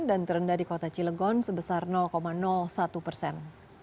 dan terendah di kota cilegon sebesar satu persen